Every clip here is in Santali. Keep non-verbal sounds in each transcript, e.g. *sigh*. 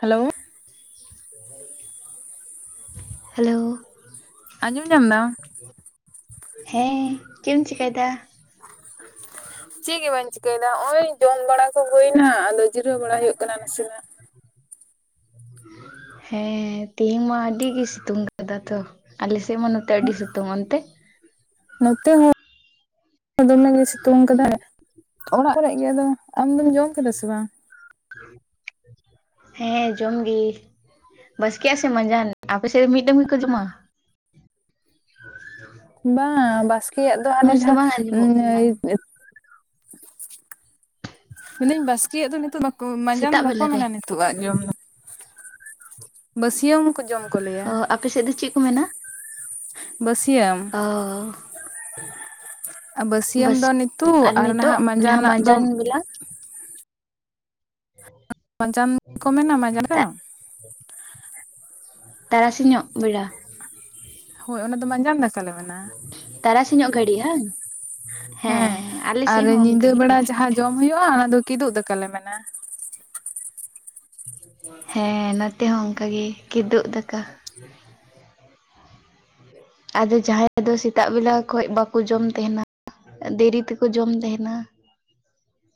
ᱦᱟᱞᱳ ᱦᱮᱞᱳ ᱟᱸᱡᱚᱢ ᱧᱟᱢ ᱮᱫᱟᱢ? ᱦᱮᱸ ᱪᱮᱢ ᱪᱮᱠᱟᱹᱭ ᱫᱟ? ᱪᱮᱜ ᱜᱮ ᱵᱟᱹᱧ ᱪᱤᱠᱟᱹᱭ ᱮᱫᱟ ᱦᱚᱸᱜ-ᱚᱭ ᱡᱚᱢ ᱵᱟᱲᱟ ᱠᱚ ᱦᱩᱭᱱᱟ ᱟ ᱡᱤᱨᱟᱹᱣ ᱵᱟᱲᱟ ᱦᱩᱭᱩᱜ ᱠᱟᱱᱟ ᱱᱟᱥᱮᱱᱟᱜ᱾ ᱦᱮᱸ ᱛᱮᱦᱮᱝ ᱢᱟ ᱟᱹᱰᱤ ᱜᱮ ᱥᱤᱛᱩᱝ ᱠᱟᱫᱟ ᱛᱚ᱾ ᱟᱞᱮ ᱥᱮᱜ ᱢᱟ ᱱᱚᱛᱮ ᱟᱹᱰᱤ ᱥᱤᱛᱩᱝ ᱾ ᱚᱱᱛᱮ? ᱱᱚᱛᱮ ᱦᱚᱸ ᱫᱚᱢᱮᱜ ᱜᱮᱭ ᱥᱤᱛᱩᱝ ᱠᱟᱫᱟᱭ ᱾ ᱚᱲᱟᱜ ᱠᱚᱨᱮ ᱜᱮ ᱟᱫᱚ ᱟᱢ ᱫᱚᱢ ᱡᱚᱢ ᱠᱮᱫᱟ ᱥᱮ ᱵᱟᱝ? ᱦᱮᱸ ᱡᱚᱢ ᱜᱤ᱾ ᱵᱟᱥᱠᱮ ᱟᱥᱮ ᱢᱟᱡᱟᱱ ᱟᱯᱮ ᱥᱮᱫ ᱢᱤᱫ ᱰᱟᱵᱩ ᱜᱮᱠᱚ ᱡᱚᱢᱟ? ᱵᱟᱝ ᱵᱟᱥᱠᱮᱭᱟᱜ ᱫᱚ ᱦᱟᱱᱮ ᱢᱚᱸᱡᱽ ᱛᱮ ᱡᱟᱦᱟᱸ ᱵᱟᱝ ᱟᱸᱡᱚᱢᱚᱜ ᱠᱟᱱᱟ *unintelligible* ᱢᱮᱱᱫᱟᱹᱧ ᱵᱟᱥᱠᱮᱭᱟᱜ ᱫᱚ ᱱᱤᱛᱚᱜ ᱵᱟᱠᱚ ᱢᱟᱸᱡᱟᱱ ᱥᱮᱛᱟᱜ ᱵᱟᱠᱚ ᱵᱮᱞᱟ ᱨᱮ ᱢᱮᱱᱟ ᱱᱤᱛ ᱟᱜ ᱡᱚᱢ ᱫᱚ᱾ ᱵᱟᱹᱥᱭᱟᱹᱢ ᱠᱚ ᱡᱚᱢ ᱠᱚ ᱚ ᱞᱟᱹᱭᱟ᱾ ᱟᱯᱮ ᱥᱮᱫ ᱫᱚ ᱪᱮᱜ ᱠᱚ ᱢᱮᱱᱟ ᱵᱟᱹᱥᱭᱟᱹᱢ ᱚᱻ? ᱵᱟᱥ ᱵᱟᱹᱥᱭᱟᱹᱢ ᱫᱚ ᱱᱤᱛᱚᱜ ᱟᱨ ᱱᱤᱛᱳᱜ ᱱᱟᱦᱟᱜ ᱡᱟᱦᱟᱸ ᱢᱟᱸᱡᱟᱱᱟᱜ ᱢᱟᱸᱡᱟᱱ ᱫᱚ ᱵᱮᱞᱟ ᱢᱟᱡᱟᱱ ᱠᱚ ᱢᱮᱱᱱᱟ ᱢᱟᱡᱟᱱ *unintelligible* ᱛᱟᱨᱟᱥᱤ ᱧᱚᱜ ᱵᱮᱲᱟ ᱦᱳᱭ ᱚᱱᱟ ᱫᱚ ᱢᱟᱡᱟᱱ ᱫᱟᱠ ᱛᱟᱨᱟᱥᱤᱧᱚᱜ ᱜᱷᱟᱹᱲᱤᱡ ᱟᱧ ᱦᱮᱸ ᱟᱨ ᱦᱚᱸ ᱚᱱᱠᱟ ᱧᱤᱫᱟᱹ ᱜᱮ ᱵᱮᱲᱟ ᱡᱟᱦᱟᱸ ᱡᱚᱢ ᱦᱩᱭᱩᱜ-ᱟ ᱚᱱᱟ ᱫᱚ ᱠᱤᱫᱩᱜ ᱫᱟᱠᱟᱞᱮ ᱢᱮᱱᱟ᱾ ᱦᱮᱸ ᱱᱚᱛᱮ ᱦᱚᱸ ᱚᱝᱠᱟ ᱜᱮ ᱠᱤᱫᱩᱜᱽ ᱫᱟᱠᱟ᱾ *inaudible* ᱟᱫᱚ ᱡᱟᱦᱟᱸᱭ ᱫᱚ ᱥᱮᱛᱟᱜ ᱵᱮᱞᱟ ᱠᱷᱚᱡᱽ ᱵᱟᱠᱚ ᱡᱚᱢ ᱛᱮᱦᱮᱱᱟ ᱫᱮᱨᱤ ᱛᱮᱠᱚ ᱡᱚᱢ ᱛᱮᱦᱮᱱᱟ᱾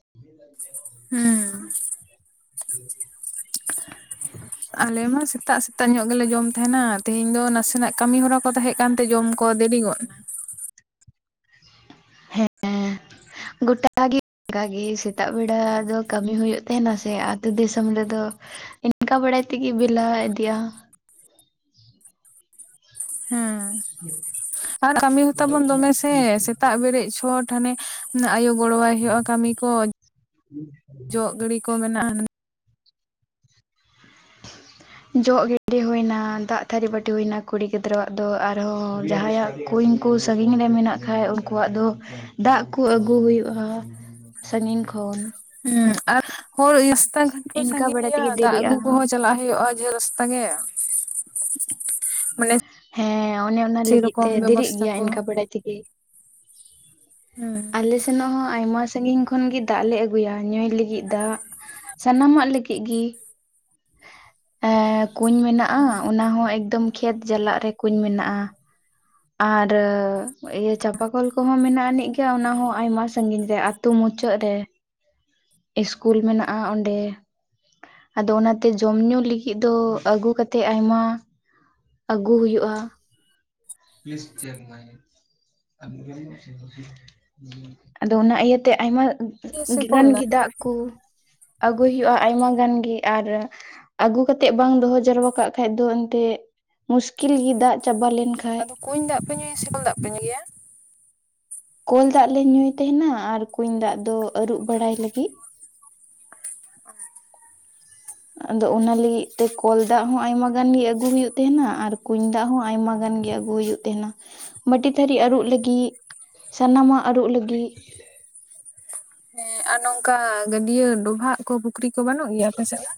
*unintelligible* ᱦᱩᱸ ᱟᱞᱮ ᱢᱟ ᱥᱮᱛᱟᱜ ᱥᱮᱛᱟᱜ ᱧᱚᱜ ᱜᱮᱞᱮ ᱡᱚᱢ ᱛᱟᱦᱮᱱᱟ ᱛᱮᱦᱮᱧ ᱫᱚ ᱱᱟᱥᱮᱱᱟᱜ ᱠᱟᱹᱢᱤ ᱦᱚᱨᱟ ᱠᱚ ᱛᱟᱦᱮᱸ ᱠᱟᱱ ᱛᱮ ᱡᱚᱢ ᱠᱚ ᱫᱮᱨᱤ ᱜᱚᱜ ᱱᱟ ᱦᱮᱸ ᱜᱚᱴᱟ ᱜᱮ ᱚᱱᱠᱟᱜᱮ ᱥᱮᱛᱟᱜ ᱵᱮᱲᱟ ᱫᱚ ᱠᱟᱹᱢᱤ ᱦᱩᱭᱩᱜ ᱛᱟᱦᱮᱱᱟ ᱥᱮ ᱟᱛᱩ ᱫᱤᱥᱚᱢ ᱨᱮᱫᱚ ᱤᱱᱠᱟ ᱵᱟᱲᱟᱭ ᱛᱮᱜᱮ ᱵᱮᱞᱟ ᱤᱫᱤᱜᱼᱟ ᱦᱚᱸ ᱟᱨ ᱠᱟᱹᱢᱤ ᱦᱚᱸ ᱛᱟᱵᱚᱱ ᱫᱚᱢᱮ ᱥᱮ ᱥᱮᱛ ᱥᱮᱛᱟᱜ ᱵᱮᱨᱮᱫ ᱪᱷᱚᱴ ᱦᱟᱱᱮ ᱱᱟᱜ ᱟᱭᱩ ᱜᱚᱲᱚᱣᱟᱭ ᱦᱩᱭᱩᱜᱼᱟ ᱠᱟᱹᱢᱤ ᱠᱚ ᱾ ᱡᱚᱜ ᱜᱤᱰᱤ ᱠᱚ ᱢᱮᱱᱟᱜᱼᱟ ᱡᱚᱜ ᱜᱤᱰᱤ ᱦᱩᱭᱱᱟ, ᱫᱟᱜ ᱛᱷᱟᱹᱨᱤ ᱵᱟᱹᱴᱤ ᱦᱩᱭᱱᱟ ᱠᱩᱲᱤ ᱜᱤᱫᱽᱨᱟᱹᱣᱟᱜ ᱫᱚ, ᱟᱨᱦᱚᱸ ᱡᱟᱦᱟᱸᱭᱟᱜ ᱠᱩᱧ ᱠᱩ ᱥᱟᱺᱜᱤᱧ ᱨᱮ ᱢᱮᱱᱟᱜ ᱠᱷᱟᱡ ᱩᱱᱠᱩᱣᱟᱜ ᱫᱚ ᱫᱟᱜ ᱠᱩ ᱟᱹᱜᱩ ᱦᱩᱭᱩᱜᱼᱟ ᱥᱟᱺᱜᱤᱧ ᱠᱷᱚᱱ ᱟᱨ ᱦᱚᱲ ᱨᱟᱥᱛᱟ ᱜᱷᱟᱴ ᱠᱚ ᱤᱱᱠᱟ ᱥᱟᱺᱜᱤᱧ ᱵᱟᱲᱟᱭ ᱜᱮᱭᱟ ᱛᱮᱜᱮ ᱾ ᱫᱟᱜ ᱫᱮᱨᱤᱜᱼᱟ ᱟᱹᱜᱩ ᱠᱚᱦᱚᱸ ᱪᱟᱞᱟᱜ ᱦᱩᱭᱩᱜᱼᱟ ᱡᱷᱟᱹᱞ ᱨᱟᱥᱛᱟ ᱜᱮ ᱢᱟᱱᱮ ᱦᱮᱸ ᱚᱱᱮ ᱚᱱᱟ ᱞᱟᱹᱜᱤᱫ ᱛᱮ ᱥᱮᱨᱚᱠᱚᱢ ᱫᱮᱨᱤᱜ ᱵᱮᱵᱚᱥᱛᱷᱟ ᱜᱮᱭᱟ ᱠᱚ ᱤᱱᱠᱟ ᱵᱟᱲᱟᱭ ᱛᱮᱜᱮ *inaudible* ᱦᱩᱸ ᱟᱞᱮ ᱥᱮᱱ ᱦᱚᱸ ᱟᱭᱢᱟ ᱥᱟᱜᱤᱧ ᱠᱷᱚᱱ ᱜᱮ ᱫᱟᱜ ᱞᱮ ᱟᱹᱜᱩᱭᱟ ᱧᱩᱭ ᱞᱟᱹᱜᱤᱫ ᱫᱟᱜ ᱥᱟᱱᱟᱢᱟᱜ ᱞᱟᱹᱜᱤᱜ ᱜᱤ ᱠᱩᱧ ᱢᱮᱱᱟᱜᱼᱟ ᱚᱱᱟ ᱦᱚᱸ ᱮᱠᱫᱚᱢ ᱠᱷᱮᱛ ᱡᱟᱞᱟᱜ ᱨᱮ ᱠᱩᱧ ᱢᱮᱱᱟᱜᱼᱟ ᱟᱨ ᱤᱭᱟᱹ ᱪᱟᱸᱯᱟ ᱠᱚᱞ ᱠᱚᱦᱚᱸ ᱢᱮᱱᱟᱜ ᱟᱹᱱᱤᱡ ᱜᱮᱭᱟ, ᱚᱱᱟ ᱦᱚᱸ ᱟᱭᱢᱟ ᱥᱟᱺᱜᱤᱧ ᱨᱮ ᱟᱛᱳ ᱢᱩᱪᱟᱹᱫ ᱨᱮ ᱤᱥᱠᱩᱞ ᱢᱮᱱᱟᱜᱼᱟ ᱚᱸᱰᱮ ᱟᱫᱚ ᱚᱱᱟᱛᱮ ᱡᱚᱢ ᱧᱩ ᱞᱟᱹᱜᱤᱫ ᱫᱚ ᱟᱹᱜᱩ ᱠᱟᱛᱮᱫ ᱟᱭᱢᱟ ᱟᱹᱜᱩ ᱦᱩᱭᱩᱜᱼᱟ *unintelligible* ᱟᱫᱚ ᱚᱱᱟ ᱤᱭᱟᱹ ᱛᱮ ᱟᱭᱢᱟ ᱜᱟᱱ ᱜᱮ ᱫᱟᱜ ᱠᱩ ᱟᱹᱜᱩᱭ ᱦᱩᱭᱩᱜᱼᱟ ᱟᱭᱢᱟ ᱜᱟᱱ ᱜᱮ ᱟᱨ ᱟᱹᱜᱩ ᱠᱟᱛᱮᱜ ᱵᱟᱝ ᱫᱚᱦᱚ ᱡᱟᱨᱣᱟ ᱠᱟᱜ ᱠᱷᱟᱱ ᱫᱚ ᱮᱱᱛᱮ ᱢᱩᱥᱠᱤᱞ ᱜᱮ ᱫᱟᱜ ᱪᱟᱵᱟ ᱞᱮᱱᱠᱷᱟᱱ ᱠᱩᱸᱧ ᱫᱟᱜ ᱯᱮ ᱧᱩᱭᱟ ᱥᱮ ᱠᱚᱞ ᱫᱟᱜ ᱯᱮ ᱧᱩᱭᱟ‌? ᱠᱚᱞ ᱫᱟᱜ ᱞᱮ ᱧᱩᱭ ᱛᱟᱦᱮᱱᱟ ᱟᱨ ᱠᱩᱧ ᱫᱟᱜ ᱫᱚ ᱟᱹᱨᱩᱵ ᱵᱟᱲᱟᱭ ᱞᱟᱹᱜᱤᱫ ᱾ *inaudible* ᱟᱫᱚ ᱚᱱᱟ ᱞᱟᱹᱜᱤᱫ ᱛᱮ ᱠᱚᱞ ᱫᱟᱜ ᱦᱚᱸ ᱟᱭᱢᱟ ᱜᱟᱱᱜᱤ ᱟᱹᱜᱩ ᱦᱩᱭᱩᱜ ᱛᱟᱦᱮᱸᱱᱟ ᱟᱨ ᱠᱩᱧ ᱫᱟᱜ ᱦᱚᱸ ᱟᱭᱢᱟ ᱜᱟᱱᱜᱤ ᱟᱹᱜᱩ ᱦᱩᱭᱩᱜ ᱾ ᱛᱟᱦᱮᱸᱱᱟ ᱵᱟᱹᱴᱤ ᱛᱷᱟᱹᱨᱤ ᱟᱹᱨᱩᱵ ᱞᱟᱹᱜᱤᱫ, ᱥᱟᱱᱟᱢᱟᱜ ᱟᱹᱨᱩᱵ ᱞᱟᱹᱜᱤᱫ ᱦᱮᱸ ᱟᱨ ᱱᱚᱝᱠᱟ ᱜᱟᱹᱰᱤᱭᱟᱹ ᱰᱚᱵᱷᱟᱜ ᱠᱚ ᱯᱩᱠᱷᱨᱤ ᱠᱚ ᱵᱟᱹᱱᱩᱜ ᱜᱮᱭᱟ ᱟᱯᱮᱥᱮᱫ ᱫᱚ?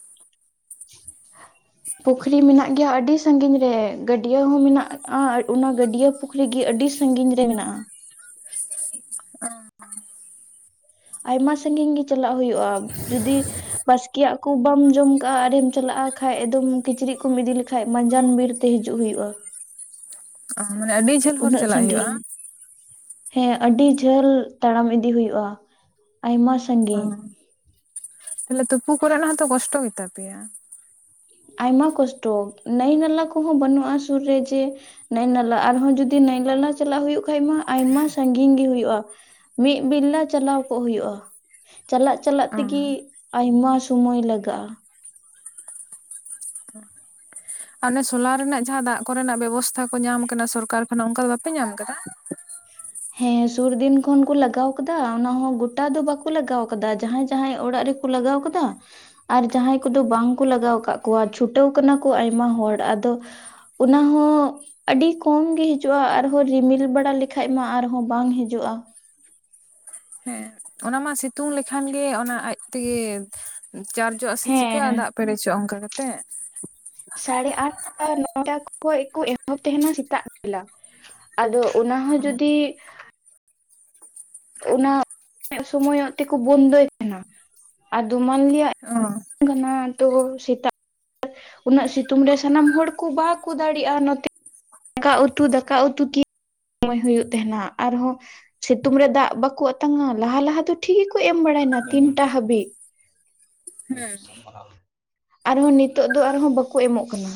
ᱯᱩᱠᱷᱨᱤ ᱢᱮᱱᱟᱜ ᱜᱮᱭᱟ ᱟᱹᱰᱤ ᱥᱟᱺᱜᱤᱧ ᱨᱮ ᱜᱟᱹᱰᱭᱟᱹ ᱦᱚᱸ ᱢᱮᱱᱟᱜ ᱟᱨ ᱚᱱᱟ ᱜᱟᱹᱰᱭᱟᱹ ᱯᱩᱠᱷᱨᱤ ᱜᱤ ᱟᱹᱰᱤ ᱥᱟᱺᱜᱤᱧ ᱨᱮ ᱢᱮᱱᱟᱜᱼᱟ‌ ᱾ *inaudible* ᱟᱭᱢᱟ ᱥᱟᱺᱜᱤᱧ ᱜᱤ ᱪᱟᱞᱟᱜ ᱦᱩᱭᱩᱜᱼᱟ ᱡᱩᱫᱤ ᱵᱟᱥᱠᱮᱭᱟᱜ ᱠᱚ ᱵᱟᱢ ᱡᱚᱢ ᱠᱟᱜᱼᱟ ᱟᱨᱮᱢ ᱪᱟᱞᱟᱜᱼᱟ ᱠᱷᱟᱡ ᱮᱠᱫᱚᱢ ᱠᱤᱪᱨᱤᱡ ᱠᱚᱢ ᱤᱫᱤ ᱞᱮᱠᱟᱱ ᱢᱟᱸᱡᱟᱱ ᱵᱤᱨᱛᱮ ᱦᱤᱡᱩᱜ ᱦᱩᱭᱩᱜᱼᱟ ᱚ ᱢᱟᱱᱮ ᱟᱹᱰᱤ ᱡᱷᱟᱹᱞ ᱦᱚᱨ ᱩᱱᱟᱹᱜ ᱪᱟᱞᱟᱜ ᱦᱩᱭᱩᱜᱼᱟ? ᱥᱟᱺᱜᱤᱧ ᱦᱮᱸ ᱟᱹᱰᱤ ᱡᱷᱟᱹᱞ ᱛᱟᱲᱟᱢ ᱤᱫᱤ ᱦᱩᱭᱩᱜᱼᱟ ᱟᱭᱢᱟ ᱥᱟᱺᱜᱤᱧ ᱾ ᱛᱟᱦᱚᱞᱮ ᱛᱩᱯᱩ ᱠᱚᱨᱮᱱᱟᱜ ᱦᱚᱸᱛᱚ ᱠᱚᱥᱴᱚ ᱜᱮ ᱛᱟ ᱯᱮᱭᱟ? ᱟᱭᱢᱟ ᱠᱚᱥᱴᱚ ᱱᱟᱹᱭ ᱱᱟᱞᱟ ᱠᱚᱦᱚᱸ ᱵᱟᱹᱱᱩᱜᱼᱟ ᱥᱩᱨ ᱨᱮ ᱡᱮ ᱱᱟᱹᱭ ᱱᱟᱞᱟ ᱟᱨᱦᱚᱸ ᱡᱤᱫᱤ ᱱᱟᱹᱭ ᱱᱟᱞᱟ ᱪᱟᱞᱟᱜ ᱦᱩᱭᱩᱜ ᱠᱷᱟᱱ ᱢᱟ ᱟᱭᱢᱟ ᱥᱟᱺᱜᱤᱧ ᱜᱮ ᱦᱩᱭᱩᱜᱼᱟ ᱾ ᱢᱤᱫ ᱵᱤᱞᱟ ᱪᱟᱞᱟᱣ ᱠᱚᱜ ᱦᱩᱭᱩᱜᱼᱟ ᱪᱟᱞᱟᱜ ᱪᱟᱞᱟᱜ ᱚ ᱛᱤᱜᱤ ᱟᱭᱢᱟ ᱥᱚᱢᱚᱭ ᱞᱟᱜᱟᱜᱼᱟ ᱾ ᱟᱨ ᱚᱱᱮ ᱥᱳᱞᱟᱨ ᱨᱮᱱᱟᱜ ᱡᱟᱦᱟᱸ ᱫᱟᱜ ᱠᱚᱨᱮᱱᱟᱜ ᱵᱮᱵᱚᱥᱛᱷᱟ ᱠᱚ ᱧᱟᱢ ᱠᱟᱱᱟ ᱥᱚᱨᱠᱟᱨ ᱠᱷᱚᱱᱟᱜ ᱚᱱᱠᱟ ᱫᱚ ᱵᱟᱯᱮ ᱧᱟᱢ ᱟᱠᱟᱫᱟ? ᱦᱮᱸ ᱥᱩᱨᱫᱤᱱ ᱠᱷᱚᱱᱠᱩ ᱞᱟᱜᱟᱣ ᱠᱟᱫᱟ, ᱚᱱᱟᱦᱚᱸ ᱜᱚᱴᱟ ᱫᱚ ᱵᱟᱠᱚ ᱞᱟᱜᱟᱣ ᱠᱟᱫᱟ ᱡᱟᱦᱟᱸᱭ ᱡᱟᱦᱟᱸᱟᱭ ᱚᱲᱟᱜ ᱨᱮ ᱠᱚ ᱞᱟᱜᱟᱣ ᱟᱠᱟᱫᱟ ᱟᱨ ᱡᱟᱦᱟᱸᱭ ᱠᱚᱫᱚ ᱵᱟᱝ ᱠᱚ ᱞᱟᱜᱟᱣ ᱠᱟᱜ ᱠᱚᱣᱟ ᱾ ᱪᱷᱩᱴᱟᱹᱣ ᱠᱟᱱᱟ ᱠᱚ ᱟᱭᱢᱟ ᱦᱚᱲ ᱟᱫᱚ ᱚᱱᱟ ᱦᱚᱸ ᱟᱹᱰᱤ ᱠᱚᱢ ᱜᱮ ᱦᱤᱡᱩᱜᱼᱟ, ᱟᱨᱦᱚᱸ ᱨᱤᱢᱤᱞ ᱵᱟᱲᱟ ᱞᱮᱠᱷᱟᱡ ᱢᱟ ᱟᱨᱦᱚᱸ ᱵᱟᱝ ᱦᱤᱡᱩᱜᱼᱟ ᱾ ᱦᱮᱸ ᱚᱱᱟ ᱢᱟ ᱥᱤᱛᱩᱝ ᱞᱮᱠᱷᱟᱱ ᱜᱮ ᱚᱱᱟ ᱟᱡ ᱛᱮᱜᱮ ᱪᱟᱨᱡᱚᱜ ᱟᱥᱮ ᱪᱤᱠᱟᱹᱜᱼᱟ ᱦᱮᱸ ᱫᱟᱜ ᱯᱮᱨᱮᱡᱚᱜᱼᱟ ᱚᱱᱠᱟ ᱠᱟᱛᱮᱜ ᱥᱟᱲᱮ ᱟᱴᱴᱟ ᱱᱚᱴᱟ ᱠᱷᱚᱡ ᱠᱚ ᱮᱦᱚᱵ ᱛᱟᱦᱮᱟᱸᱱᱟ ᱥᱮᱛᱟᱜ ᱵᱮᱲᱟ᱾ ᱟᱫᱚ ᱚᱱᱟ ᱦᱚᱸ ᱡᱩᱫᱤ? ᱚᱱᱟ ᱥᱚᱢᱚᱭᱚᱜ ᱛᱮᱠᱚ ᱵᱚᱱᱫᱚᱭ ᱠᱟᱱᱟ ᱟᱫᱚ ᱢᱟᱱᱞᱤᱭᱟᱜ-ᱼ ᱚᱻ᱾ ᱠᱟᱱᱟ ᱛᱚ ᱥᱮᱛᱟ ᱩᱱᱟᱹᱜ ᱥᱤᱛᱩᱝ ᱨᱮ ᱥᱟᱱᱟᱢ ᱦᱚᱲ ᱠᱚ ᱵᱟᱠᱚ ᱫᱟᱲᱮᱭᱟᱜᱼᱟ ᱱᱚᱛᱮ ᱫᱟᱠᱟ ᱩᱛᱩ ᱫᱟᱠᱟ ᱩᱛᱩ ᱠᱤ ᱥᱚᱢᱚᱭ ᱦᱩᱭᱩᱜ ᱛᱟᱦᱮᱸᱱᱟ ᱟᱨᱦᱚᱸ ᱥᱤᱛᱩᱝ ᱨᱮ ᱫᱟᱜ ᱵᱟᱠᱚ ᱟᱛᱟᱝᱟ ᱞᱟᱦᱟ ᱞᱟᱦᱟ ᱫᱚ ᱴᱷᱤᱠ ᱜᱮᱠᱚ ᱮᱢ ᱵᱟᱲᱟᱭᱱᱟ ᱛᱤᱱᱴᱟ ᱦᱟᱹᱵᱤᱜ ᱦᱮᱸ ᱟᱨᱦᱚᱸ ᱱᱤᱛᱳᱜ ᱫᱚ ᱟᱨᱦᱚᱸ ᱵᱟᱠᱚ ᱮᱢᱚᱜ ᱠᱟᱱᱟ?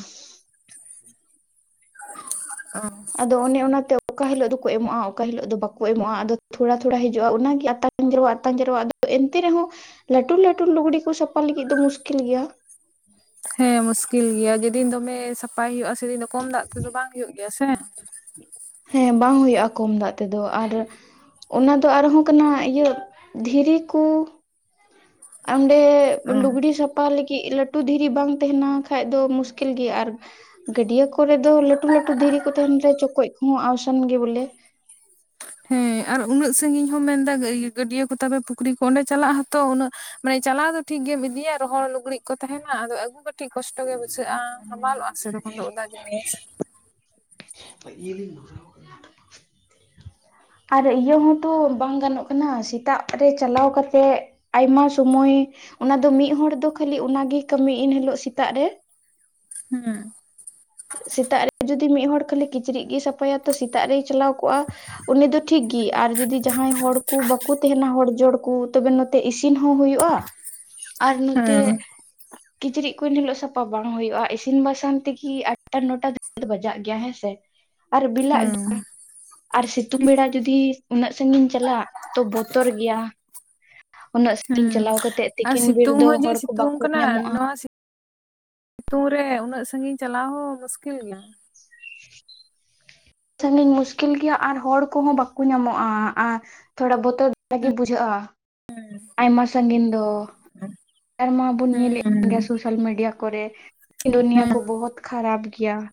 ᱚᱸᱻ᱾ ᱟᱫᱚ ᱚᱱᱮ ᱚᱱᱟᱛᱮ ᱚᱠᱟ ᱦᱤᱞᱳᱜ ᱫᱚᱠᱚ ᱮᱢᱚᱜᱼᱟ ᱚᱠᱟ ᱦᱤᱞᱳᱜ ᱫᱚ ᱵᱟᱠᱚ ᱮᱢᱚᱜᱼᱟ ᱟᱫᱚ ᱛᱷᱚᱲᱟ ᱛᱷᱚᱲᱟ ᱦᱤᱡᱩᱜᱼᱟ ᱚᱱᱟᱜᱮ ᱟᱛᱟ ᱯᱟᱸᱨᱣᱟᱜ ᱛᱟᱸᱡᱮᱨᱣᱟᱜ ᱫᱚ ᱮᱱᱛᱮ ᱨᱮᱦᱚᱸ ᱞᱟᱟᱹᱴᱩ ᱞᱟᱹᱴᱩ ᱞᱩᱜᱽᱲᱤ ᱠᱚ ᱥᱟᱯᱷᱟ ᱞᱟᱹᱜᱤᱫ ᱫᱚ ᱢᱩᱥᱠᱤᱞ ᱜᱮᱭᱟ? ᱦᱮᱸ ᱢᱩᱥᱠᱤᱞ ᱜᱮᱭᱟ ᱡᱮᱫᱤᱱ ᱫᱚᱢᱮ ᱥᱟᱯᱷᱟᱭ ᱦᱩᱭᱩᱜᱼᱟ, ᱥᱮᱫᱤᱱ ᱫᱚ ᱠᱚᱢ ᱫᱟᱜ ᱛᱮᱫᱚ ᱵᱟᱝ ᱦᱩᱭᱩᱜ ᱜᱮᱭᱟ ᱥᱮ ᱦᱮᱸ ᱵᱟᱝ ᱦᱩᱭᱩᱜᱼᱟ ᱠᱚᱢ ᱫᱟᱜ ᱛᱮᱫᱚ ᱟᱨ ᱚᱱᱟ ᱫᱚ ᱟᱨᱦᱚᱸ ᱠᱟᱱᱟ ᱤᱭᱟᱹ ᱫᱷᱤᱨᱤ ᱠᱩ ᱚᱸᱰᱮ ᱚ ᱞᱩᱜᱽᱲᱤ ᱥᱟᱯᱷᱟ ᱞᱟᱹᱜᱤᱫ ᱞᱟᱹᱴᱩ ᱫᱷᱤᱨᱤ ᱵᱟᱝ ᱛᱟᱸᱦᱮᱱᱟᱠᱷᱟᱡ ᱫᱚ ᱢᱩᱥᱠᱤᱞ ᱜᱮᱭᱟ ᱟᱨ ᱜᱟᱹᱰᱭᱟᱹ ᱠᱚᱨᱮ ᱫᱚ ᱞᱟᱹᱴᱩ ᱞᱟᱹᱴᱩ ᱫᱷᱤᱨᱤ ᱠᱚ ᱛᱟᱦᱮᱱ ᱨᱮ ᱪᱚᱠᱚᱡ ᱠᱚᱦᱚᱸ ᱟᱣᱥᱟᱱ ᱜᱮ ᱵᱚᱞᱮ ᱦᱮᱸ ᱟᱨ ᱩᱱᱟᱹᱜ ᱥᱟᱺᱟᱹᱜᱤᱧ ᱦᱚᱸ ᱢᱮᱱᱫᱟ ᱜᱟᱹᱰᱭᱟᱹ ᱠᱚ ᱛᱟᱮ ᱯᱩᱠᱷᱨᱤ ᱠᱚ ᱚᱸᱰᱮ ᱪᱟᱞᱟᱜ ᱦᱚᱛᱚ ᱩᱱᱟᱹᱜ ᱢᱟᱱᱮ ᱪᱟᱞᱟᱣ ᱫᱚ ᱴᱷᱤᱠ ᱜᱮᱢ ᱤᱫᱤᱭᱟ ᱨᱚᱦᱚᱲ ᱞᱩᱜᱽᱲᱤᱡ ᱠᱚ ᱛᱟᱦᱮᱸᱱᱟ, ᱟᱫᱚ ᱟᱜᱹᱩ ᱠᱟᱹᱴᱤᱡ ᱠᱚᱥᱴᱚ ᱜᱮ ᱵᱩᱡᱟᱹᱜ ᱵᱩᱡᱷᱟᱹᱜᱼᱟ ᱦᱟᱢᱟᱞᱚᱜᱼᱟ ᱥᱮᱨᱚᱠᱚᱢ ᱫᱚ ᱚᱫᱟ ᱡᱤᱱᱤᱥ *unintelligible* ᱟᱨ ᱤᱭᱟᱹ ᱦᱚᱸᱛᱚ ᱵᱟᱝ ᱜᱟᱱᱚᱜ ᱠᱟᱱᱟ ᱥᱮᱛᱟᱜ ᱨᱮ ᱪᱟᱞᱟᱣ ᱠᱟᱛᱮᱜ ᱟᱭᱢᱟ ᱥᱩᱢᱚᱭ ᱚᱱᱟ ᱫᱚ ᱢᱤᱫ ᱦᱚᱲᱚᱲ ᱫᱚ ᱠᱷᱟᱹᱞᱤ ᱚᱱᱟᱜᱮ ᱠᱟᱹᱢᱤ ᱮᱱᱦᱤᱞᱳᱜ ᱥᱮᱛᱟᱜ ᱨᱮ ᱦᱮᱸᱻ᱾ ᱥᱮᱛᱟᱜ ᱨᱮ ᱡᱩᱚᱫᱤ ᱢᱤᱫᱦᱚᱲ ᱠᱷᱟᱹᱞᱤ ᱠᱤᱪᱨᱤᱡ ᱜᱮᱭ ᱥᱟᱯᱷᱟᱭᱟ ᱛᱚ ᱥᱮᱛᱟᱜ ᱨᱮᱭ ᱪᱟᱞᱟᱣ ᱠᱚᱜᱼᱟ᱾ ᱩᱱᱤ ᱫᱚ ᱴᱷᱤᱠᱜᱮ ᱟᱨ ᱡᱚᱫᱤ ᱡᱟᱦᱟᱸᱭ ᱦᱚᱲ ᱠᱚ ᱵᱟᱠᱚ ᱛᱟᱦᱮᱸᱱᱟ ᱦᱚᱲ ᱡᱚᱲ ᱠᱚ ᱛᱚᱵᱮ ᱱᱚᱛᱮ ᱤᱥᱤᱱ ᱦᱚᱸ ᱦᱩᱭᱩᱜᱼᱟ᱾ *inaudible* ᱟᱨ ᱱᱚᱛᱮ ᱦᱮᱸ ᱠᱤᱪᱨᱤᱡ ᱠᱩᱤᱱ ᱦᱤᱞᱳᱜ ᱥᱟᱯᱷᱟ ᱵᱟᱝ ᱦᱩᱭᱩᱜᱼᱟ, ᱤᱥᱤᱱ ᱵᱟᱥᱟᱝ ᱛᱮᱜᱤ ᱟᱴᱟ ᱱᱚᱴᱟ ᱫᱚ ᱵᱟᱡᱟᱜ ᱜᱮᱭᱟ ᱦᱮᱸᱥᱮ ᱟᱨ ᱵᱮᱤᱞᱟᱜ ᱦᱮᱸ ᱜᱮ ᱟᱨ ᱥᱤᱛᱩᱝ ᱵᱮᱲᱟ ᱡᱩᱫᱤ ᱩᱱᱟᱹᱜ ᱥᱟᱺᱜᱤᱧ ᱪᱟᱞᱟᱜ ᱛᱚ ᱵᱚᱛᱚᱨ ᱜᱮᱭᱟ᱾ ᱩᱱᱟᱹᱜ ᱥᱟᱝᱜᱤᱧ ᱦᱮᱸ ᱪᱟᱞᱟᱣ ᱠᱟᱛᱮ ᱟᱨ ᱥᱤᱛᱩᱝ ᱦᱚᱸ ᱡᱮ ᱥᱤᱛᱩᱝ ᱠᱟᱱᱟ, ᱧᱟᱢᱚᱜᱼᱟ ᱱᱚᱣᱟ ᱥᱤᱛᱩᱝ ᱨᱮ ᱩᱱᱟᱹᱜ ᱥᱟᱺᱜᱤᱧ ᱪᱟᱞᱟᱣ ᱦᱚᱸ ᱢᱩᱥᱠᱤᱞ ᱜᱮᱭᱟ᱾ ᱥᱟᱺᱜᱤᱧ ᱢᱩᱥᱠᱤᱞ ᱜᱮᱭᱟ᱾ ᱟᱨ ᱦᱚᱲ ᱠᱚᱦᱚᱸ ᱵᱟᱠᱚ ᱧᱟᱢᱚᱜᱼᱟ, ᱟᱨ ᱛᱷᱚᱲᱟ ᱵᱚᱛᱚᱨ ᱫᱷᱟᱨᱟᱜᱤ ᱵᱩᱡᱷᱟᱹᱜᱼᱟ᱾ ᱟᱭᱢᱟ ᱥᱟᱺᱜᱤᱧ ᱫᱚ᱾ ᱱᱮᱛᱟᱨ ᱢᱟ ᱵᱚᱱ ᱧᱮᱞᱮᱫ ᱠᱟᱱ ᱜᱮᱭᱟ ᱦᱮᱸ ᱥᱳᱥᱟᱞ ᱢᱤᱰᱤᱭᱟ ᱠᱚᱨᱮ ᱫᱩᱱᱤᱭᱟᱹ ᱠᱚ ᱦᱮᱸ ᱵᱚᱦᱚᱛ ᱠᱷᱟᱨᱟᱯ ᱜᱮᱭᱟ ᱾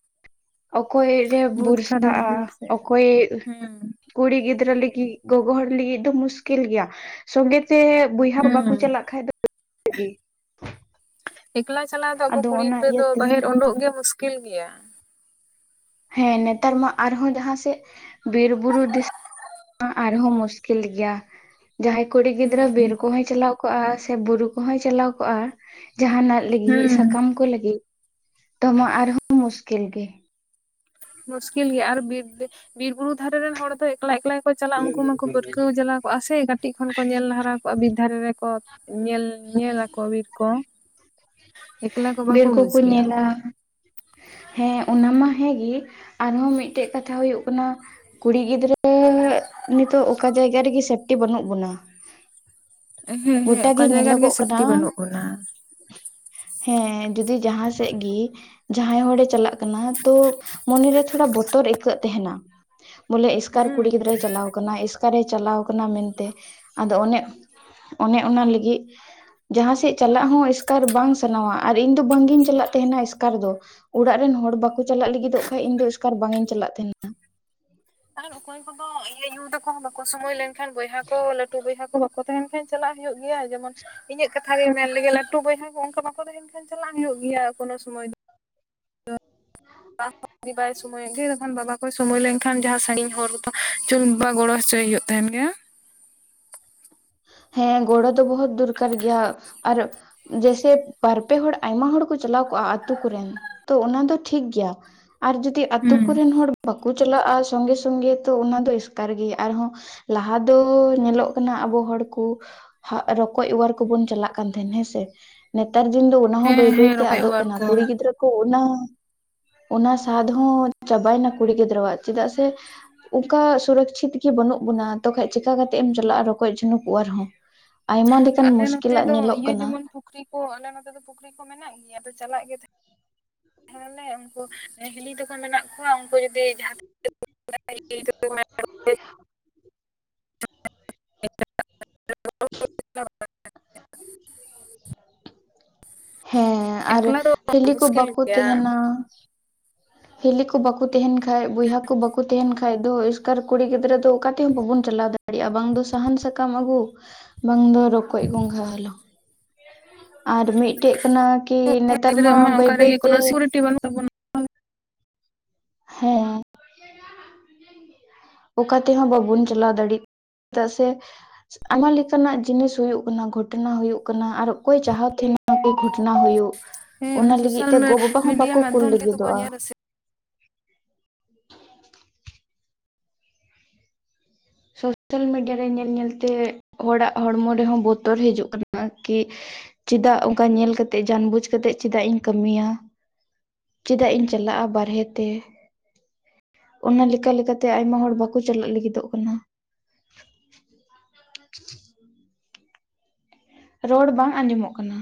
ᱚᱠᱚᱭ ᱨᱮᱢ ᱵᱚᱦᱩᱛ ᱠᱷᱟᱨᱟᱯ ᱵᱚᱨᱥᱟᱜᱼᱟ ᱜᱮᱭᱟ ᱥᱮ ᱚᱠᱚᱭ ᱦᱮᱸ ᱠᱩᱲᱤ ᱜᱤᱫᱽᱨᱟᱹ ᱞᱟᱹᱜᱤᱫ ᱜᱚᱜᱚ ᱦᱚᱲ ᱞᱟᱹᱜᱤᱫ ᱫᱚ ᱢᱩᱥᱠᱤᱞ ᱜᱮᱭᱟ ᱥᱚᱝᱜᱤᱛ ᱛᱮ ᱵᱚᱭᱦᱟ ᱠᱚ ᱵᱟᱠᱚ ᱦᱮᱸ ᱪᱟᱞᱟᱜ ᱠᱷᱟᱡ ᱫᱚ ᱵᱚᱛᱚᱨ ᱜᱤ᱾ ᱮᱠᱞᱟ ᱪᱟᱞᱟᱣ ᱫᱚ ᱟᱵᱚ ᱠᱩᱲᱤ ᱜᱤᱫᱽᱨᱟᱹ ᱫᱚ ᱤᱭᱟᱹᱛᱮ ᱵᱟᱦᱮᱨ ᱩᱳᱰᱳᱚᱜ ᱜᱮ ᱢᱩᱥᱠᱤᱞ ᱜᱮᱭᱟ᱾ ᱦᱮᱸ ᱱᱮᱛᱟᱨ ᱢᱟ ᱟᱨᱦᱚᱸ ᱡᱟᱦᱟᱸᱥᱮᱜ ᱵᱤᱨ ᱵᱩᱨᱩ ᱟᱨᱦᱚᱸ ᱢᱩᱥᱠᱤᱞ ᱜᱮᱭᱟ᱾ ᱡᱟᱦᱟᱸᱭ ᱠᱩᱲᱤ ᱜᱤᱫᱽᱨᱟᱹ ᱵᱤᱨ ᱦᱮᱸ ᱠᱚᱦᱚᱸᱭ ᱪᱟᱞᱟᱣ ᱠᱚᱜᱼᱟ, ᱥᱮ ᱵᱩᱨᱩ ᱠᱚᱦᱚᱸᱭ ᱪᱟᱞᱟᱣ ᱠᱚᱜᱼᱟ, ᱡᱟᱦᱟᱸᱱᱟᱜ ᱞᱟᱹᱜᱤᱜ ᱦᱮᱸ ᱥᱟᱠᱟᱢ ᱠᱚ ᱞᱟᱹᱜᱤᱜ ᱫᱚ ᱢᱟᱜ ᱟᱨᱦᱚᱸ ᱢᱩᱥᱠᱤᱞ ᱜᱮ ᱢᱩᱥᱠᱤᱞ ᱜᱮᱭᱟ, ᱟᱨ ᱵᱤᱨ ᱵᱤᱨ ᱵᱩᱨᱩ ᱫᱷᱟᱨᱮ ᱨᱮᱱ ᱦᱚᱲ ᱫᱚ ᱮᱠᱞᱟ ᱮᱠᱞᱟ ᱠᱚ ᱪᱟᱞᱟᱜᱼᱟ, ᱩᱱᱠᱩ ᱢᱟᱠᱚ ᱯᱟᱹᱨᱠᱟᱹᱣ ᱡᱟᱞᱟ ᱠᱚᱜᱼᱟ ᱥᱮ ᱠᱟᱹᱴᱤᱡ ᱠᱷᱚᱱ ᱠᱚ ᱧᱮᱞ ᱦᱟᱨᱟ ᱠᱚᱜᱼᱟ ᱵᱤᱨ ᱫᱷᱟᱨᱮ ᱨᱮᱠᱚ ᱧᱮᱞ ᱧᱮ ᱟᱠᱚ ᱵᱤᱨ ᱠᱚ ᱮᱠᱞᱟ ᱠᱚ ᱵᱟᱠᱚ ᱵᱤᱨ ᱵᱩᱡᱽ ᱠᱚᱠᱚ ᱜᱮᱭᱟ ᱧᱮᱞᱟ ᱦᱮᱸ ᱚᱱᱟ ᱢᱟ ᱦᱮᱸᱜᱮ ᱟᱨᱦᱚᱸ ᱢᱤᱫᱴᱮᱡ ᱠᱟᱛᱷᱟ ᱦᱩᱭᱩᱜ ᱠᱟᱱᱟ ᱠᱩᱲᱤ ᱜᱤᱫᱽᱨᱟᱹ ᱱᱤᱛᱚᱜ ᱚᱠᱟ ᱡᱟᱭᱜᱟ ᱨᱮᱜᱮ ᱥᱮᱯᱴᱤ ᱵᱟᱹᱱᱩᱜ ᱵᱚᱱᱟ ᱦᱮᱸ ᱦᱮᱸ ᱜᱚᱴᱟ ᱚᱠᱟ ᱜᱮ ᱡᱟᱭᱜᱟ ᱨᱮᱜᱮ ᱧᱮᱞᱚᱜᱚᱜ ᱠᱟᱱᱟ ᱥᱮᱯᱴᱤ ᱵᱟᱹᱱᱩᱜ ᱵᱚᱱᱟ ᱦᱮᱸ ᱡᱩᱫᱤ ᱡᱟᱦᱟᱸ ᱥᱮᱫ ᱜᱮ ᱡᱟᱦᱟᱸᱭ ᱦᱚᱲᱮ ᱪᱟᱞᱟᱜ ᱠᱟᱱᱟ ᱛᱚ ᱢᱚᱱᱮᱨᱮ ᱛᱷᱚᱲᱟ ᱵᱚᱛᱚᱨ ᱟᱹᱭᱠᱟᱹᱜ ᱛᱟᱦᱮᱱᱟ ᱵᱚᱞᱮ ᱮᱥᱠᱟᱨ ᱠᱩᱲᱤ ᱦᱩᱸ ᱜᱤᱫᱽᱨᱟᱹ ᱟᱭ ᱪᱟᱞᱟᱣ ᱠᱟᱱᱟ ᱮᱥᱠᱟᱨᱮ ᱪᱟᱞᱟᱣ ᱠᱟᱱᱟ ᱢᱮᱱᱛᱮ ᱟᱫᱚ ᱚᱱᱮ ᱚᱱᱮ ᱚᱱᱟ ᱞᱟᱹᱜᱤᱫ ᱡᱟᱦᱟᱸ ᱥᱮᱫ ᱪᱟᱞᱟᱜ ᱦᱚᱸ ᱮᱥᱠᱟᱨ ᱵᱟᱝ ᱥᱟᱱᱟᱣᱟ ᱟᱨ ᱤᱧ ᱫᱚ ᱵᱟᱝᱜᱤᱧ ᱪᱟᱞᱟᱜ ᱛᱟᱦᱮᱱᱟ ᱮᱥᱠᱟᱨ ᱫᱚ ᱚᱲᱟᱜ ᱨᱮᱱ ᱦᱚᱲ ᱵᱟᱠᱚ ᱪᱟᱞᱟᱜ ᱞᱟᱹᱜᱤᱫᱚᱜ ᱠᱷᱟᱱ ᱤᱧ ᱫᱚ ᱮᱥᱠᱟᱨ ᱵᱟᱝ ᱤᱧ ᱪᱟᱞᱟᱜ ᱛᱟᱦᱮᱱᱟ ᱟᱨ ᱚᱠᱚᱭ ᱠᱚᱫᱚ ᱤᱧ ᱟᱭᱟᱹ ᱛᱟᱠᱚ ᱵᱟᱠᱚ ᱥᱚᱢᱚᱭ ᱞᱮᱱᱠᱷᱟᱱ ᱵᱚᱭᱦᱟ ᱠᱚ ᱞᱟᱹᱴᱩ ᱵᱚᱭᱦᱟ ᱠᱚ ᱵᱟᱠ ᱵᱟᱠᱚ ᱛᱟᱦᱮᱱ ᱠᱷᱟᱱ ᱪᱟᱞᱟᱜ ᱦᱩᱭᱩᱜ ᱜᱮᱭᱟ ᱡᱮᱢᱚᱱ ᱤᱧᱟᱹᱜ ᱠᱟᱛᱷᱟ ᱜᱮᱮ ᱢᱮᱱ ᱞᱮᱜᱮ ᱞᱟᱹᱴᱩ ᱤᱧᱟᱜ ᱠᱟᱛᱷᱟ ᱜᱮ ᱢᱮᱱᱞᱮᱜᱟᱞᱮ ᱞᱟᱴᱩ ᱵᱚᱭᱦᱟ ᱠᱚ ᱚᱱᱠᱟ ᱵᱟᱠᱚ ᱛᱟᱦᱮᱱ ᱠᱷᱟᱱ ᱪᱟᱞᱟᱜ ᱦᱩᱭᱩᱜ ᱜᱮᱭᱟ ᱠᱚᱱᱳ ᱥᱚᱢᱚᱭ ᱫᱚ ᱡᱩᱫᱤ ᱵᱟᱭ ᱥᱚᱢᱚᱭᱚᱜ ᱜᱮ ᱵᱟᱵᱟ ᱠᱚᱭ ᱥᱚᱢᱢᱚᱭ ᱞᱮᱱᱠᱷᱟᱱ ᱡᱟᱦᱟᱸ ᱥᱟᱺᱜᱤᱧ ᱦᱚᱨ ᱦᱚᱛᱚ ᱪᱩᱱᱩ ᱵᱟᱵᱟ ᱜᱚᱲᱚ ᱦᱚᱪᱚᱭ ᱦᱩᱭᱩᱜ ᱛᱟᱦᱮᱱ ᱜᱮᱭᱟ ᱦᱮᱸ ᱜᱚᱲᱚ ᱫᱚ ᱵᱚᱦᱩᱛ ᱫᱚᱨᱠᱟᱨ ᱜᱮᱭᱟ ᱟᱨ ᱡᱮᱭᱥᱮ ᱵᱟᱨᱯᱮ ᱦᱚᱲ ᱟᱭᱢᱟ ᱦᱚᱲ ᱠᱚ ᱪᱟᱞᱟᱣ ᱠᱚᱜᱼᱟ ᱟᱛᱳ ᱠᱚᱨᱮᱱ ᱛᱚ ᱚᱱᱟ ᱫᱚ ᱴᱷᱤᱠ ᱜᱮᱭᱟ ᱟᱨ ᱡᱩᱫᱤ ᱟᱛᱳ ᱦᱩᱸ ᱠᱚᱨᱮᱱ ᱦᱚᱲ ᱵᱟᱠᱚ ᱪᱟᱞᱟᱜᱼᱟ ᱥᱚᱸᱜᱮ ᱥᱚᱸᱜᱮ ᱛᱚ ᱚᱱᱟ ᱫᱚ ᱮᱥᱠᱟᱨ ᱜᱮᱭᱟ ᱟᱨᱦᱚᱸ ᱞᱟᱦᱟ ᱫᱚ ᱧᱮᱞᱚᱜ ᱠᱟᱱᱟ ᱟᱵᱚ ᱦᱚᱲ ᱠᱩ ᱨᱚᱠᱚᱡ ᱦᱟᱜ ᱚᱣᱟᱨ ᱠᱚᱵᱩᱱ ᱪᱟᱞᱟᱜ ᱠᱟᱱ ᱛᱟᱦᱮᱸᱱ ᱦᱮᱸᱥᱮ ᱱᱮᱛᱟᱨ ᱫᱤᱱ ᱫᱚ ᱚᱱᱟᱦᱚ ᱦᱮᱸ ᱵᱟᱹᱭ ᱦᱮᱸ ᱵᱟᱹᱭᱛᱮ ᱨᱚᱠᱚᱡ ᱟᱫᱚᱜ ᱚᱣᱟᱨ ᱠᱟᱱᱟ ᱠᱚ ᱠᱩᱲᱤ ᱜᱤᱫᱽᱨᱟᱹ ᱠᱚ ᱩᱱᱟ. ᱝ ᱚᱱᱟ ᱥᱟᱫ ᱦᱚᱸ ᱪᱟᱵᱟᱭᱱᱟ ᱠᱩᱲᱤ ᱜᱤᱫᱽᱨᱟᱹᱣᱟᱜ ᱪᱮᱫᱟᱜ ᱥᱮ ᱚᱠᱟ ᱥᱩᱨᱚᱪᱷᱤᱛ ᱜᱮ ᱵᱟᱹᱱᱩᱜ ᱵᱚᱱᱟ ᱛᱚ ᱠᱷᱟᱡ ᱪᱤᱠᱠᱟ ᱠᱟᱛᱮ ᱮᱢ ᱪᱟᱞᱟᱜᱼᱟ ᱨᱚᱠᱚᱡ ᱡᱷᱚᱱᱩᱠ ᱚᱣᱟᱨ ᱦᱚ ᱟᱭᱢᱟ ᱞᱮᱠᱟᱱ ᱟᱞᱮ ᱱᱚᱛᱮ ᱢᱩᱥᱠᱤᱞᱟᱜ ᱫᱚ ᱧᱮᱞᱚᱜ ᱤᱭᱟᱹ ᱠᱟᱱᱟ ᱡᱮᱢᱚᱱ ᱯᱩᱠᱷᱨᱤ ᱠᱚ ᱟᱞᱮ ᱱᱚᱛᱮ ᱫᱚ ᱯᱩᱠᱷᱨᱤ ᱠᱚ ᱢᱮᱱᱟᱜ ᱜᱮᱭᱟ ᱟᱫᱚ ᱪᱟᱞᱟᱜ ᱜᱮ ᱛᱟᱦᱮᱸᱫ ᱛᱟᱦᱮᱞᱮ ᱩᱱᱠᱩ ᱦᱤᱞᱤ ᱛᱟᱠᱚ ᱢᱮᱱᱟᱜ ᱠᱚᱣᱟ ᱩᱱᱠᱩ ᱡᱩᱫᱤ ᱡᱟᱦᱟᱸ *unintelligible* *unintelligible* *inaudible* *unintelligible* ᱦᱮᱸ ᱟᱨ ᱮᱠᱞᱟ ᱫᱚ ᱦᱤᱞᱤ ᱠᱚ ᱢᱩᱥᱠᱤᱞ ᱵᱟᱠᱚ ᱜᱮᱭᱟ ᱛᱟᱦᱮᱱᱟ ᱦᱤᱞᱤ ᱠᱚ ᱵᱟᱠᱚ ᱛᱟᱦᱮᱱ ᱠᱷᱟᱱᱡ ᱵᱚᱭᱦᱟ ᱠᱚ ᱵᱟᱠᱚ ᱛᱟᱦᱮᱱ ᱠᱷᱟᱡ ᱫᱚ ᱮᱥᱠᱟᱨ ᱠᱩᱲᱤ ᱜᱤᱫᱽᱨᱟᱹ ᱫᱚ ᱚᱠᱟᱛᱮᱦᱚᱸ ᱵᱟᱵᱚᱱ ᱪᱟᱞᱟᱣ ᱫᱟᱲᱮᱭᱟᱜᱼᱟ ᱵᱟᱝ ᱫᱚ ᱥᱟᱦᱟᱱ ᱥᱟᱠᱟᱢ ᱟᱹᱜᱩ ᱵᱟᱝ ᱫᱚ ᱨᱚᱠᱚᱡ ᱜᱚᱸᱜᱷᱟ ᱦᱟᱞᱟᱝ ᱟᱨ ᱢᱤᱫᱴᱮᱡ ᱠᱟᱱᱟ ᱠᱤ ᱱᱮᱛᱟᱨ ᱢᱟ ᱵᱟᱹᱭ ᱵᱟᱹᱭ ᱛᱮ *unintelligible* ᱵᱟᱱᱩᱜ ᱛᱟᱵᱚᱱᱟ ᱦᱮᱸ ᱚᱠᱟ ᱛᱮᱦᱚᱸ ᱵᱟᱵᱚᱱ ᱪᱟᱞᱟᱣ ᱫᱟᱲᱮᱭᱟᱜ ᱪᱮᱫᱟᱜ ᱥᱮ ᱟᱭᱢᱟ ᱞᱮᱠᱟᱱᱟᱜ ᱡᱤᱱᱤᱥ ᱦᱩᱭᱩᱜ ᱠᱟᱱᱟ ᱜᱷᱚᱴᱚᱱᱟ ᱦᱩᱭᱩᱜ ᱠᱟᱱᱟ ᱟᱨ ᱚᱠᱚᱭ ᱮ ᱪᱟᱦᱟᱣ ᱛᱟᱦᱮᱱᱟ ᱡᱮ ᱜᱷᱚᱴᱚᱱᱟ ᱦᱩᱭᱩᱜ ᱦᱮᱸ ᱚᱱᱟ ᱞᱟᱹᱜᱤᱫ ᱥᱳᱥᱟᱞ ᱛᱮ ᱜᱚ ᱵᱟᱵᱟ ᱦᱚᱸ ᱢᱤᱰᱤᱭᱟ ᱵᱟᱠᱚ ᱠᱩᱞ ᱢᱟᱫᱽᱫᱷᱚᱢ ᱛᱮᱫᱚ ᱠᱚ ᱞᱟᱹᱜᱤᱫᱚᱜᱼᱟ ᱧᱮᱞ ᱨᱟᱹᱥᱤ *inaudible* ᱥᱳᱥᱟᱞ ᱢᱤᱰᱤᱭᱟ ᱨᱮ ᱧᱮᱞ ᱧᱮᱞᱛᱮ ᱦᱚᱲᱟᱜ ᱦᱚᱲᱢᱚ ᱨᱮᱦᱚᱸ ᱵᱚᱛᱚᱨ ᱦᱤᱡᱩᱜ ᱠᱟᱱᱟ ᱠᱤ ᱪᱮᱫᱟᱜ ᱚᱱᱠᱟ ᱧᱮᱞ ᱠᱟᱛᱮᱜ ᱡᱟᱱ ᱵᱩᱡ ᱠᱟᱛᱮᱜ ᱪᱮᱫᱟᱜ ᱤᱧ ᱠᱟᱹᱢᱤᱭᱟ ᱪᱮᱫᱟᱜ ᱤᱧ ᱪᱟᱞᱟᱜᱼᱟ ᱵᱟᱨᱦᱮ ᱛᱮ ᱚᱱᱟ ᱞᱮᱠᱟ ᱞᱮᱠᱟᱛᱮ ᱟᱭᱢᱟ ᱦᱚᱲ ᱵᱟᱠᱚ ᱪᱟᱞᱟᱜ ᱞᱟᱹᱜᱤᱫᱚᱜ ᱠᱟᱱᱟ *inaudible* ᱨᱚᱲ ᱵᱟᱝ ᱟᱸᱡᱚᱢᱚᱜ ᱠᱟᱱᱟ